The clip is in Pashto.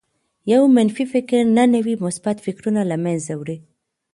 يو منفي فکر نهه نوي مثبت فکرونه لمنځه وړي